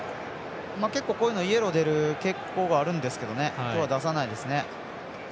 結構、こういうのイエロー出る傾向があるんですけど今日は出さないですね。